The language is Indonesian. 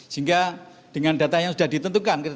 sehingga dengan data yang sudah ditentukan